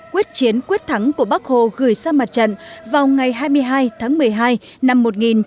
quyết chiến quyết thắng của bắc hồ gửi sang mặt trận vào ngày hai mươi hai tháng một mươi hai năm một nghìn chín trăm bảy mươi